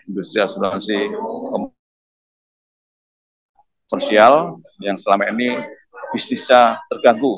industri asuransi sosial yang selama ini bisnisnya terganggu